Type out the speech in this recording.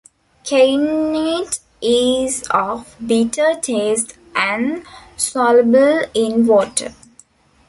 Kainite is of bitter taste and soluble in water.